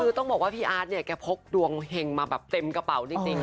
คือต้องบอกว่าพี่อาร์ตเนี่ยแกพกดวงเห็งมาแบบเต็มกระเป๋าจริง